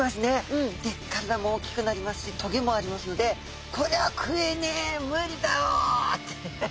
で体も大きくなりますし棘もありますのでこれは食えねえ無理だろって。